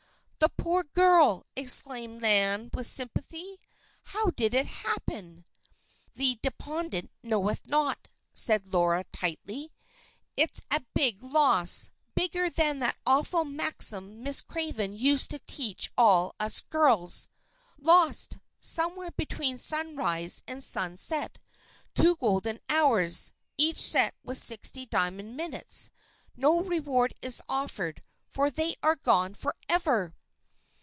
"The poor girl!" exclaimed Nan, with sympathy. "How did it happen?" "The deponent knoweth not," said Laura, tightly. "It's a big loss bigger than that awful maxim Miss Craven used to teach all us girls: 'Lost! Somewhere between sunrise and sunset, two golden hours, each set with sixty diamond minutes. No reward is offered, for they are gone forever!'"